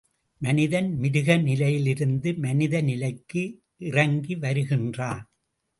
மனிதன் மிருக நிலையிலிருந்து மனித நிலைக்கு இறங்கி வருகின்றான்.